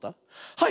はい！